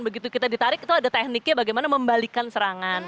begitu kita ditarik itu ada tekniknya bagaimana membalikan serangan